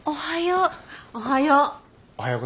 おはよう。